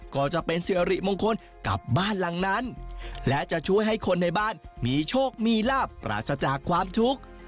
ก็จะเป็นสิริมงคลกับบ้านหลังนั้นและจะช่วยให้คนในบ้านมีโชคมีลาบปราศจากความทุกข์